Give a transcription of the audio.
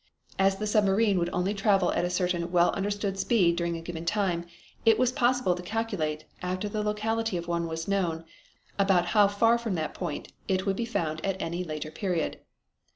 As the submarine would only travel at a certain well understood speed during a given time, it was possible to calculate, after the locality of one was known, about how far from that point it would be found at any later period.